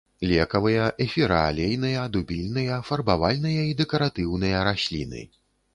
Лекавыя, эфіраалейныя, дубільныя, фарбавальныя і дэкаратыўныя расліны.